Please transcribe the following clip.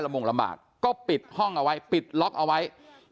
โมงลำบากก็ปิดห้องเอาไว้ปิดล็อกเอาไว้